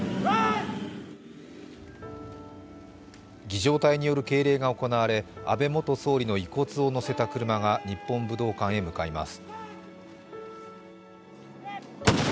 儀じょう隊による敬礼が行われ安倍元総理の遺骨をのせた車が日本武道館へ向かいます。